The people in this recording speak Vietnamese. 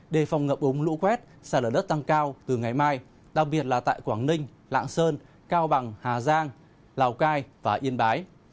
đề phòng ngập ống lũ quét xa lở đất tăng cao từ ngày mai đặc biệt là tại quảng ninh lạng sơn cao bằng hà giang lào cai và yên bái